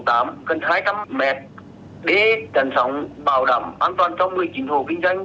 gần hai trăm linh m để trần sống bảo đảm an toàn trong một mươi chín hồ kinh doanh